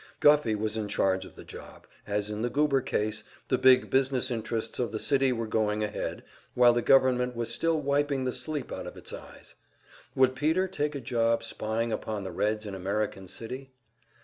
Guffey was in charge of the job; as in the Goober case, the big business interests of the city were going ahead while the government was still wiping the sleep out of its eyes. Would Peter take a job spying upon the Reds in American City?